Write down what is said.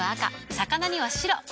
魚には白。